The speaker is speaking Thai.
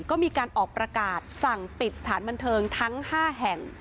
ก็มีการออกประกาศสั่งปิดสถานบันเทิงทั้ง๕แห่ง